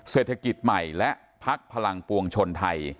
เศรษฐกิจใหม่และพักพลังปวงชนไทย